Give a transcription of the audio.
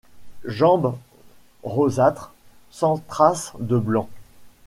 Jambes rosâtres sans trace de blanc.